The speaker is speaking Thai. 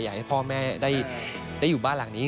อยากให้พ่อแม่ได้อยู่บ้านหลังนี้